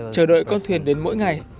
chờ đợi con thuyền đến mỗi ngày